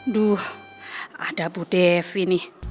duh ada bu devi nih